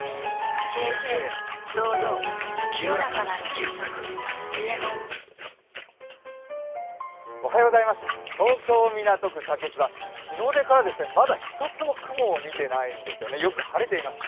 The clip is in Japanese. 清々堂々清らかなる傑作「伊右衛門」東京・港区竹芝、日の出からまだ１つも雲を見てないんですよねよく晴れています。